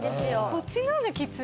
こっちの方がきつい？